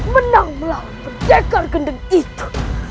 menang melawan pendekar gendeng itu